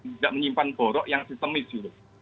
tidak menyimpan borok yang sistemis gitu